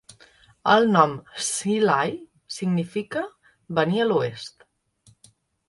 El nom "Hsi Lai" significa "Venir a l'Oest".